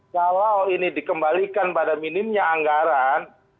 kalau ini dikembalikan pada minimnya anggaran